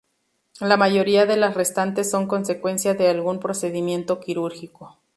La mayoría de las restantes son consecuencia de algún procedimiento quirúrgico.